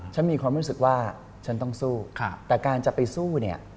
ฉันมีความรู้สึกว่าฉันต้องสู้แต่การจะไปสู้เนี่ย